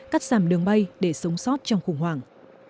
cắt giảm đường bay để sống sót trong khủng hoảng